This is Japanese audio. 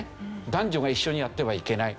男女が一緒にやってはいけない。